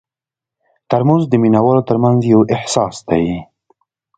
ترموز د مینه والو ترمنځ یو احساس دی.